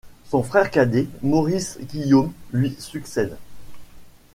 Son frère cadet Maurice-Guillaume lui succède.